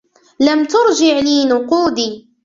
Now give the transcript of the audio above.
لم ترجع لي نقودي.